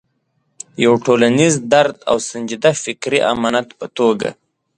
د یو ټولنیز درد او سنجیده فکري امانت په توګه.